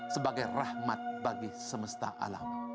sebagai rahmat bagi semesta alam